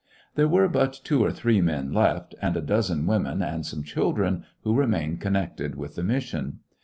There were hot two or three men left, and a dozen women and some ehildreoj who remained eonnected with the mission.